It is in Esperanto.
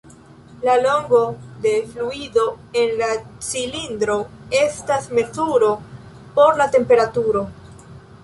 La longo de fluido en la cilindro estas mezuro por la temperaturo.